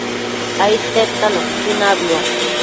aidtedta nuqui nabëo